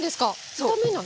炒めない？